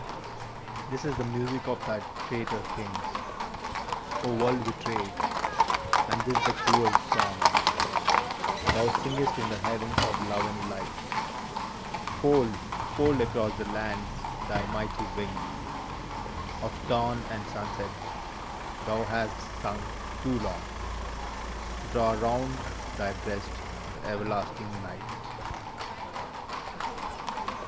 This is the music of thy traitor kings, O world betrayed, and this the cruel song Thou singest in the heavens of love and light 1 Fold, fold across the lands thy mighty wings Of dawn and sunset: thou hast sung too long! Draw round thy breast the everlasting Night